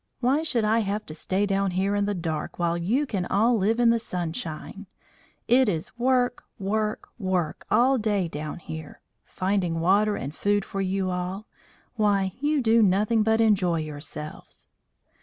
"Why should I have to stay down here in the dark while you can all live in the sunshine? It is work, work, work all day down here, finding water and food for you all; while you do nothing but enjoy yourselves."